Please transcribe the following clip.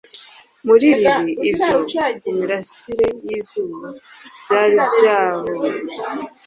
Muri lili ibyo kumirasire yizuba byari byabonye